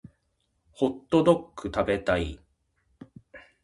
ホットドック食べたい